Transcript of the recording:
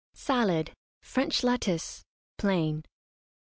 SALAD, FRENCH LETTUCE, PLAIN.